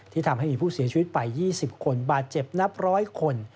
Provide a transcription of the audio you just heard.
ที่ทำให้ผู้เสียชีวิตไป๒๐คนบาดเจ็บนับ๑๐๐คน